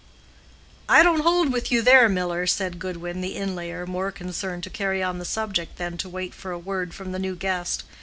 "I don't hold with you there, Miller," said Goodwin, the inlayer, more concerned to carry on the subject than to wait for a word from the new guest.